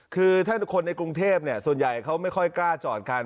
คือถ้าคนในกรุงเทพส่วนใหญ่เขาไม่ค่อยกล้าจอดกัน